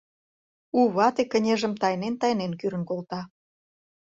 У вате кынежым тайнен-тайнен кӱрын колта.